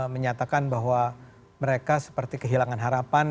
menyatakan bahwa mereka seperti kehilangan harapan